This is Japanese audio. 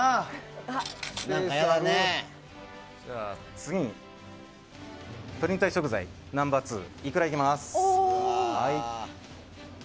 次に、プリン体食材ナンバー２のイクラいきます。